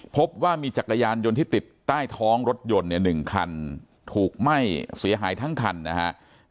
พบว่ามีจักรยานยนต์ที่ติดใต้ท้องรถยนต์เนี่ย๑คันถูกไหม้เสียหายทั้งคันนะครับ